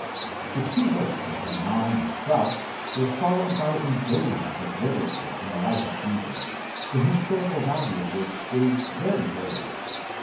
The two works of Renan and Strauss were fol lowed by a deluge of literature on the life of Jesus, the historical value of which is very various.